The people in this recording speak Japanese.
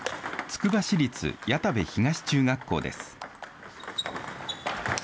つくば市立谷田部東中学校です。